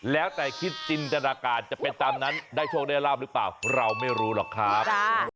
แล้วแต่คิดจินตนาการจะเป็นตามนั้นได้โชคได้ราบหรือเปล่าเราไม่รู้หรอกครับ